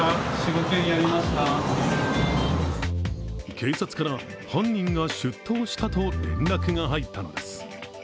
警察から犯人が出頭したと連絡が入ったのです。